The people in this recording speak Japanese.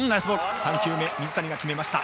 ３球目、水谷が決めました。